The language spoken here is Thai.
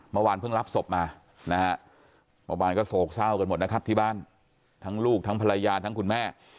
เมื่อวานเพิ่งรับศพมานะฮะเมื่อวานก็โศกเศร้ากันหมดนะครับที่บ้านทั้งลูกทั้งภรรยาทั้งคุณแม่